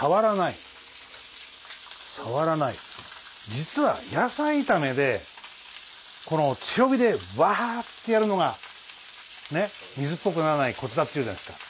実は野菜炒めで強火でわってやるのが水っぽくならないコツだって言うじゃないですか。